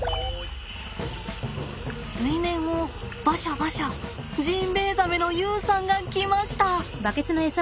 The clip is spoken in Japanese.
水面をバシャバシャジンベエザメの遊さんが来ました！